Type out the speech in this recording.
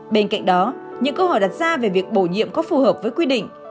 bên cạnh đó những câu hỏi đặt ra về việc bổ nhiệm có phù hợp với quy định